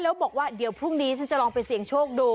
แล้วบอกว่าเดี๋ยวพรุ่งนี้ฉันจะลองไปเสี่ยงโชคดู